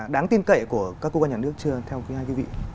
đáng tin kể của các quốc gia nhà nước chưa theo quý vị